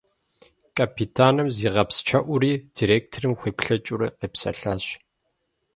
Капитаным зигъэпсчэуӀури, директорым хуеплъэкӀыурэ, къепсэлъащ.